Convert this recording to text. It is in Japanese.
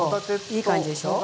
いい感じでしょ。